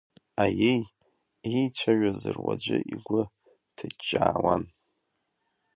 Аиеи еицәажәоз руаӡәы игәы ҭыҷҷаауан…